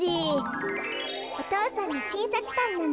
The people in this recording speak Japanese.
お父さんのしんさくパンなの。